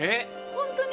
本当に！？